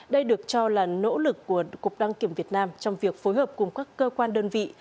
đây được cho là nỗ lực của cục đăng kiểm việt nam trong việc phối hợp cùng các cơ quan đơn vị